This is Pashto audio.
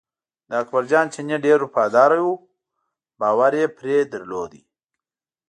د اکبر جان چینی ډېر وفاداره و پرې یې باور درلود.